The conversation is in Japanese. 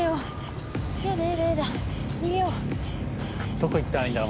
どこ行ったらいいんだろ。